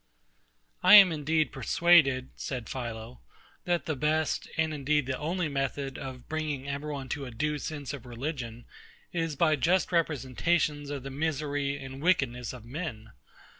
I am indeed persuaded, said PHILO, that the best, and indeed the only method of bringing every one to a due sense of religion, is by just representations of the misery and wickedness of men.